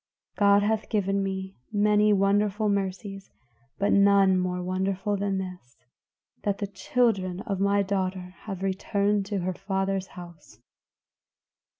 God hath given me many wonderful mercies, but none more wonderful than this, that the children of my daughter have returned to her father's house."